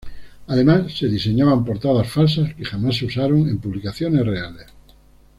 Además, se diseñaban portadas falsas, que jamás se usaron en publicaciones reales.